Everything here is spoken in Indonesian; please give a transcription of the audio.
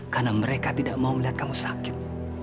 karena mereka tidak mau melihat kamu sakit